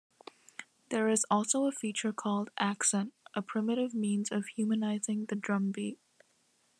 There is also a feature called "accent"-a primitive means of humanizing the drumbeat.